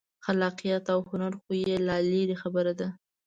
خلاقیت او هنر خو یې لا لرې خبره ده.